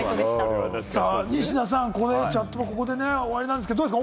ニシダさん、チャットバはここで終わりなんですけれど、どうですか？